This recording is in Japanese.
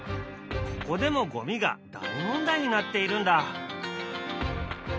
ここでもゴミが大問題になっているんだ。